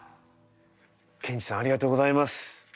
刑事さんありがとうございます。